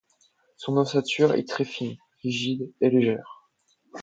Son ossature est très fine, rigide et légère.